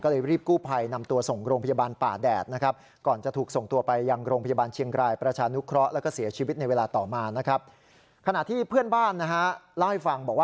ก็เลยรีบกู้ภัยนำตัวส่งกรงพยาบาลป่าแดดนะครับ